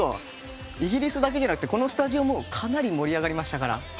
イギリスだけじゃなくてこのスタジオもかなり盛り上がりましたから。